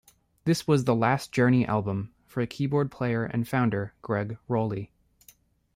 This was the last Journey album for keyboard player and founder Gregg Rolie.